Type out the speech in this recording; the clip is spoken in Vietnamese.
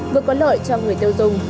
vượt có lợi cho người tiêu dùng